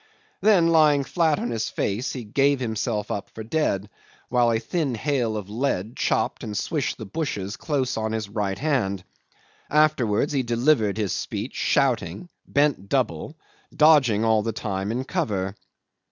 Then, lying flat on his face, he gave himself up for dead, while a thin hail of lead chopped and swished the bushes close on his right hand; afterwards he delivered his speech shouting, bent double, dodging all the time in cover.